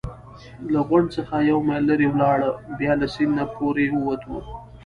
له غونډ څخه یو میل لرې ولاړو، بیا له سیند نه پورې ووتو.